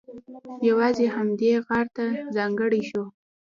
یوازې همدې غار ته ځانګړی شو.